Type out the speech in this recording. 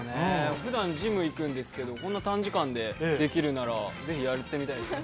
普段、ジムに行くんですけど、こんな短時間でできるなら、ぜひやってみたいですよね。